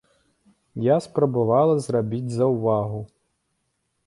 Я спрабавала зрабіць заўвагу.